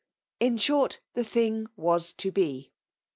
In short the thing was to be